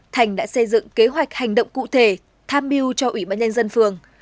thành đã xây dựng kế hoạch hành động cụ thể tham mưu cho ủy ban nhân dân phường